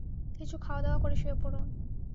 কিছু খাওয়াদাওয়া করে শুয়ে পড়ুন।